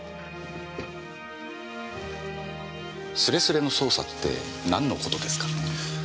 すれすれの捜査ってなんのことですかねぇ？